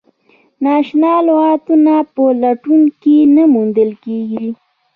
نا اشنا لغتونه په لټون کې نه موندل کیږي.